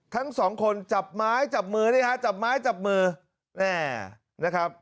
ทั้งสองคนจับไม้จับมือนี่ฮะจับไม้จับมือแม่นะครับ